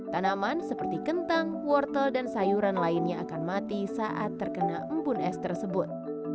tanaman seperti kentang wortel dan sayuran lainnya akan mati saat terkena embun es tersebut